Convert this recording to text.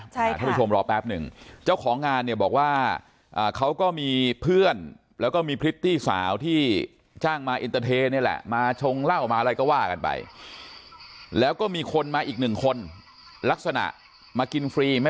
ช่วยชมรอแป๊บนึงเจ้าของงานเนี่ยบอกว่าเขาก็มีเพื่อนแล้วก็มีพริตตี้สาวที่ช่างมาเอ็นเตอร์เทนเนี่ยแหละ